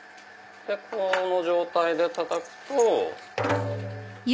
この状態でたたくと。